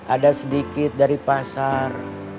ada sedikit dari pasar